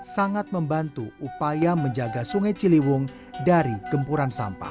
sangat membantu upaya menjaga sungai ciliwung dari gempuran sampah